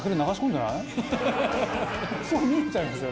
「そう見えちゃうんですよ」